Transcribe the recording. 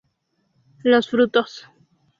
Los frutos.